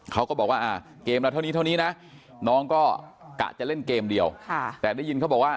เขาก็บอกว่าเกมเราเท่านี้เท่านี้นะน้องก็กะจะเล่นเกมเดียวแต่ได้ยินเขาบอกว่า